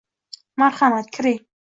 Marhamat kiring.